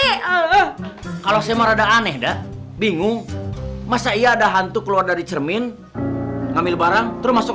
alhh kalau saya rada aneh dah bingung masa iya ada hantu keluar dari cermin ngamil barang terus masuk